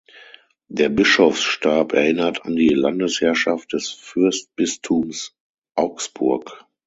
Der Bischofsstab erinnert an die Landesherrschaft des Fürstbistums Augsburg.